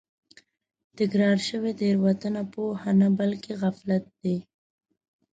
تکرار شوې تېروتنه پوهه نه بلکې غفلت دی.